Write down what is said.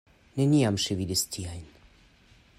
Neniam ŝi vidis tiajn!